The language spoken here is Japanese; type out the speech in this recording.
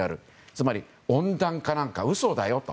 つまり、温暖化なんか嘘だよと。